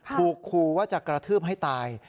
ขู่ว่าจะกระทืบให้ตาย